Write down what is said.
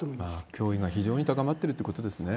脅威が非常に高まってるってことですね。